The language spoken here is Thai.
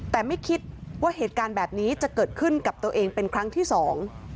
แต่ไม่คิดว่าเหตุการณ์แบบนี้จะเกิดขึ้นกับตัวเองเป็นครั้งที่สอง